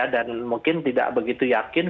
dan mungkin tidak begitu yakin